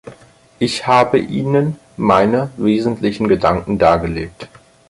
Ich habe Ihnen meine wesentlichen Gedanken dargelegt.